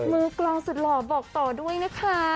มือกลองสุดหล่อบอกต่อด้วยนะคะ